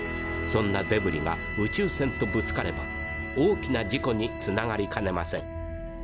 そんなデブリが宇宙船とぶつかれば大きな事故につながりかねません。